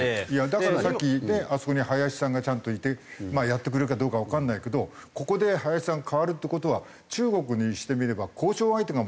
だからさっきあそこに林さんがちゃんといてやってくれるかどうかわからないけどここで林さんが代わるっていう事は中国にしてみれば交渉相手がまた代わっちゃうっていう。